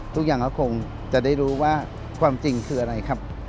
ทุกอย่างก็คงจะได้รู้ว่าความจริงคืออะไรครับ